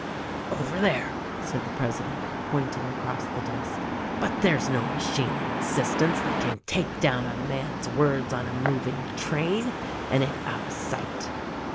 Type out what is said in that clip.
"Over there," said the president, pointing across the desk ; "but there is no machine in existence that can take down a man's words on a moving train, and it out of sight."